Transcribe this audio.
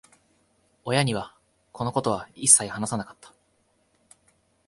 親には、このことは一切話さなかった。